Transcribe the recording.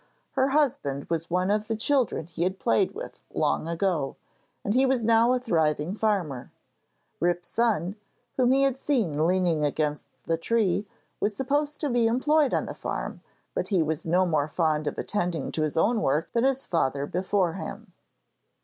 Her husband was one of the children he had played with long ago, and he was now a thriving farmer. Rip's son, whom he had seen leaning against the tree, was supposed to be employed on the farm, but he was no more fond of attending to his own work than his father before him.